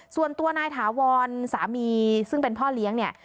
ส่วนตัวนายถาวรสามีซึ่งเป็นพ่อเลี้ยงเนี่ย